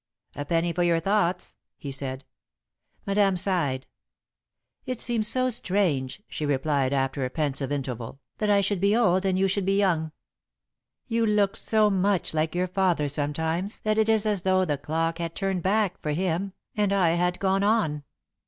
"A penny for your thoughts," he said. Madame sighed. "It seems so strange," she replied, after a pensive interval, "that I should be old and you should be young. You look so much like your father sometimes that it is as though the clock had turned back for him and I had gone on.